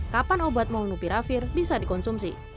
kapan obat molnupiravir bisa dikonsumsi